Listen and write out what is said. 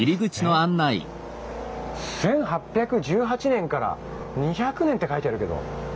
１８１８年から２００年って書いてあるけど。